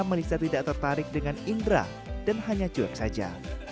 melissa tidak tertarik dengan indra dan hanya cuek saja